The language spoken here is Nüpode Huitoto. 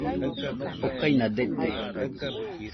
okaina dete